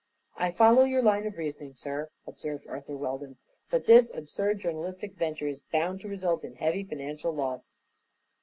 "I follow your line of reasoning, sir," observed Arthur Weldon; "but this absurd journalistic venture is bound to result in heavy financial loss."